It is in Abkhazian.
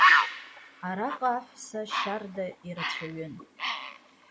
Араҟа аҳәса шьарда ирацәаҩын.